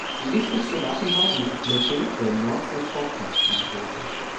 Die wichtigste davon war die "Flottille der Nordsee-Vorpostenboote".